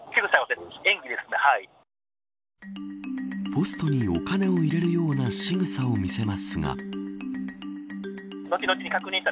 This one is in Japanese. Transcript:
ポストにお金を入れるようなしぐさを見せますが。